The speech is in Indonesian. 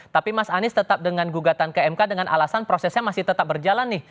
tapi mas anies tetap dengan gugatan ke mk dengan alasan prosesnya masih tetap berjalan nih